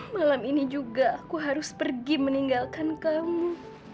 malam ini juga aku harus pergi meninggalkan kamu